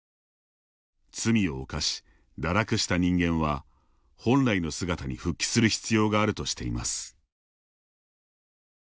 罪を犯し堕落した人間は本来の姿に復帰する必要があるとしています。